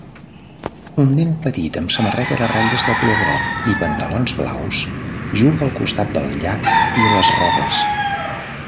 Un nen petit amb samarreta de ratlles de color groc i pantalons blaus juga al costat del llac i les roques